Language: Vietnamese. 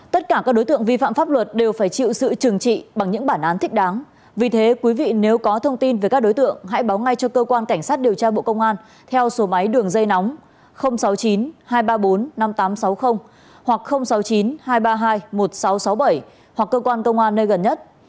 tất cả các đối tượng vi phạm pháp luật đều phải chịu sự trừng trị bằng những bản án thích đáng vì thế quý vị nếu có thông tin về các đối tượng hãy báo ngay cho cơ quan cảnh sát điều tra bộ công an theo số máy đường dây nóng sáu mươi chín hai trăm ba mươi bốn năm nghìn tám trăm sáu mươi hoặc sáu mươi chín hai trăm ba mươi hai một nghìn sáu trăm sáu mươi bảy hoặc cơ quan công an nơi gần nhất